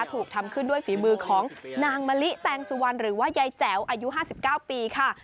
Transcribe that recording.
ถูกทำขึ้นด้วยฝีมือของนางมะลิแตงสุวรรณหรือว่ายายแจ๋วอายุ๕๙ปีค่ะ